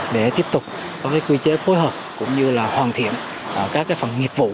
để tiếp tục có quy chế phối hợp cũng như là hoàn thiện các phần nghiệp vụ